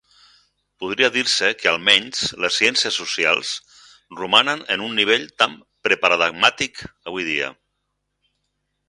Podria dir-se que almenys les ciències socials romanen en un nivell tan preparadigmàtic avui dia.